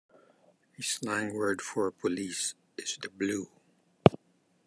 A slang word for police is "The Blue".